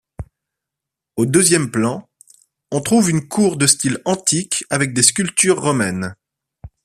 Au deuxième plan, on trouve une cour de style antique avec des sculptures romaines.